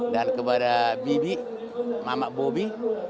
dan kepada bibi mamak bobi